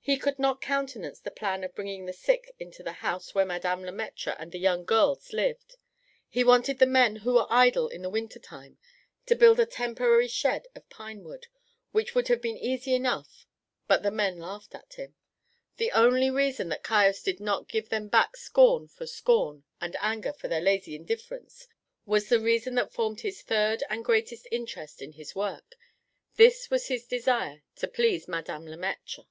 He could not countenance the plan of bringing the sick into the house where Madame Le Maître and the young girls lived. He wanted the men who were idle in the winter time to build a temporary shed of pine wood, which would have been easy enough, but the men laughed at him. The only reason that Caius did not give them back scorn for scorn and anger for their lazy indifference was the reason that formed his third and greatest interest in his work; this was his desire to please Madame Le Maître.